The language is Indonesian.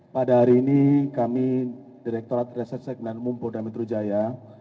pada hari ini kami direkturat resersek dan umum polda metro jaya